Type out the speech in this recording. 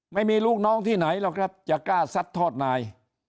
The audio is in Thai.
ไม่มีลูกน้องที่ไหนหรอกครับจะกล้าซัดทอดนาย